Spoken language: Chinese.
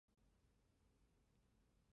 油井主要用于开采油田的石油。